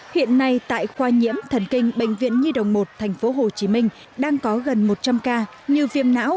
hiện nay tại khoa nhiễm thần kinh bệnh viện nhi đồng một tp hcm đang có gần một trăm linh ca như viêm não